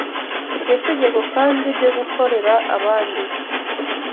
Iryo tegeko kandi ryo gukorera abandi